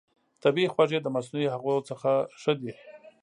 طبیعي خوږې د مصنوعي هغو څخه ښه دي.